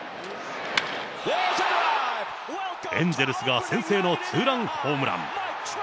エンゼルスが先制のツーランホームラン。